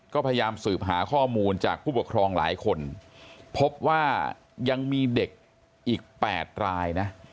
ก็พยายามสืบหาข้อมูลจากผู้ปกครองหลายคนพบว่ายังมีเด็กอีก๘รายนะ